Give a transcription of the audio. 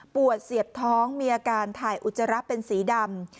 เสียบท้องมีอาการถ่ายอุจจาระเป็นสีดำ